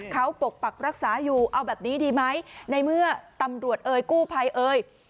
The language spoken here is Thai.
เขาปกปักรักษาอยู่เอาแบบนี้ดีไหมในเมื่อตำรวจเอ่ยกู้ภัยเอ่ย